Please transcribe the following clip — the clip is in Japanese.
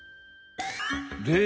で